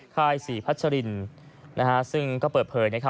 ค่าย๔พัชรินซึ่งก็เปิดเผยว่า